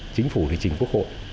chính phủ địa chỉnh quốc hội